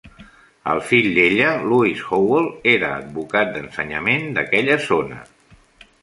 El fill d'ella, Lewis Howell, era advocat d'ensenyament d'aquella zona.